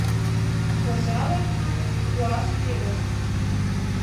Пожале, маныт, пуаш лиеш.